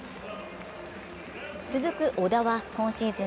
続く小田は今シーズン